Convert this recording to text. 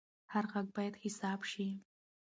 هر غږ باید حساب شي